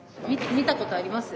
見たことあります？